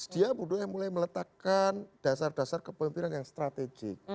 dia mulai meletakkan dasar dasar kepemimpinan yang strategik